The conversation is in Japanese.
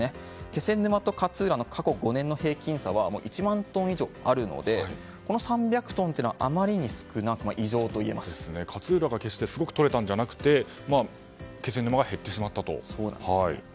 気仙沼と勝浦の過去５年の平均差は１万トン以上あるのでこの３００トンというのは勝浦が決してすごくとれたんじゃなくて気仙沼が減ってしまったと。